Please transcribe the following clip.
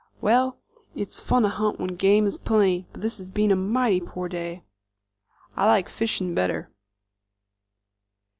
"Well, it's fun to hunt when game is plenty, but this has been a mighty poor day." "I like fishin' better."